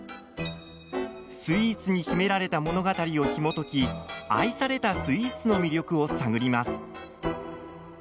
スイーツに秘められた物語をひもとき愛されたスイーツの魅力を探ります。